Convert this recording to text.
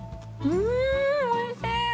うんおいしい！